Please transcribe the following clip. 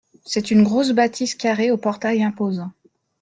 C'est une grosse bâtisse carrée au portail imposant.